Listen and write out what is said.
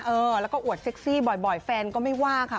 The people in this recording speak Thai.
เออแล้วก็อวดเซ็กซี่บ่อยแฟนก็ไม่ว่าค่ะ